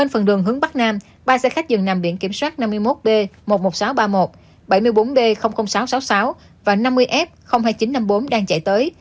phần đường hướng bắc nam ba xe khách dừng nằm biển kiểm soát năm mươi một b một mươi một nghìn sáu trăm ba mươi một bảy mươi bốn b sáu trăm sáu mươi sáu và năm mươi f hai nghìn chín trăm năm mươi bốn đang chạy tới